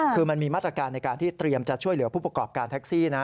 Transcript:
คือมันมีมาตรการในการที่เตรียมจะช่วยเหลือผู้ประกอบการแท็กซี่นะ